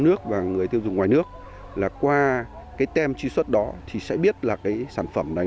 nước và người tiêu dùng ngoài nước là qua cái tem truy xuất đó thì sẽ biết là cái sản phẩm này